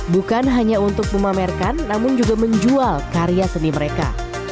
bukan hanya untuk memamerkan namun juga menjual karya seni mereka